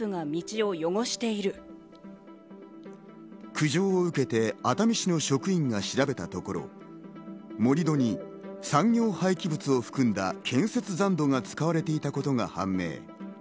苦情を受けて熱海市の職員が調べたところ、盛り土に産業廃棄物を含んだ建設残土が使われていたことが判明。